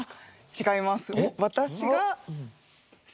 違います。